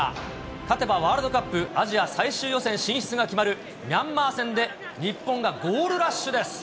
勝てばワールドカップアジア最終予選進出が決まるミャンマー戦で、日本がゴールラッシュです。